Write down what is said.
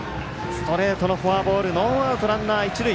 ストレートのフォアボールノーアウト、ランナー、一塁。